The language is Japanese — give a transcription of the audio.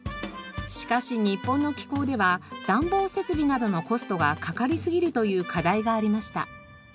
しかし日本の気候では暖房設備などのコストがかかりすぎるという課題がありました。